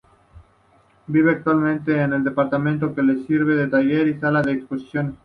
Vive actualmente en un departamento que le sirve de taller y sala de exposiciones.